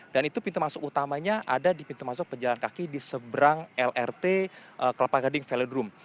dan itu pintu masuk utamanya ada di pintu masuk penjalan kaki di seberang lrt kelapa gading velodrome